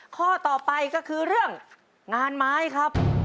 ข้อต่อไปก็คือเรื่องงานไม้ครับ